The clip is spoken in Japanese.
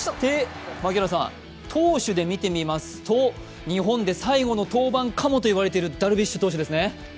投手で見てみますと、日本で最後の登板かもと言われているダルビッシュ投手ですね。